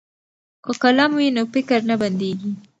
که قلم وي نو فکر نه بندیږي.